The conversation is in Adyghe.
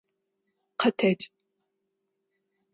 Къэтэдж!